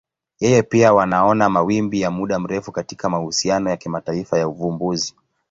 Yeye pia wanaona mawimbi ya muda mrefu katika mahusiano ya kimataifa ya uvumbuzi.